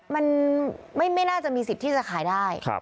มันไม่น่าจะมีสิทธิ์ที่จะขายได้